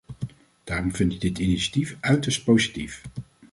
Daarom vind ik dit initiatief uiterst positief.